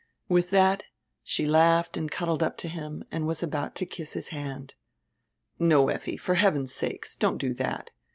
With that she laughed and cuddled up to him and was about to kiss his hand. "No, Effi, for heaven's sake, don't do that.